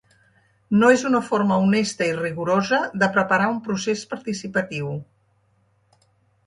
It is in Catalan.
“No és una forma honesta i rigorosa de preparar un procés participatiu”.